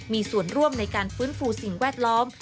มีส่วนร่วมในการฟื้นฟูสิ่งแวดล้อม